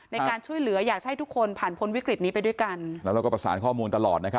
ในการช่วยเหลืออยากจะให้ทุกคนผ่านพ้นวิกฤตนี้ไปด้วยกันแล้วเราก็ประสานข้อมูลตลอดนะครับ